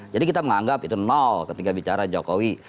jadi kita menganggap itu nol ketika bicara jokowi